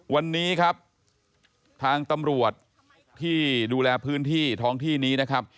วันนี้ครับทางตำรวจที่ดูแลพื้นที่ท้องที่นี้นะครับ